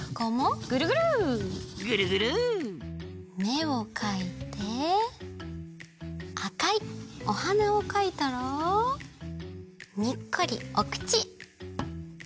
めをかいてあかいおはなをかいたらにっこりおくち！